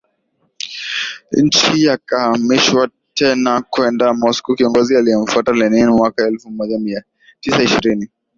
nchi yakahamishwa tena kwenda MoscowKiongozi aliyemfuata Lenin mwaka elfu moja mia tisa ishirini